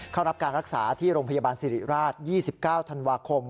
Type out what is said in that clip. เข้ารับการรักษาที่โรงพยาบาลสิริราช๒๙ธันวาคม